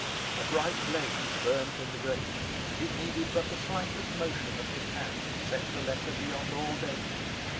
A bright blaze burnt in the grate; it needed but the slightest motion of his hand to set the letter beyond all danger.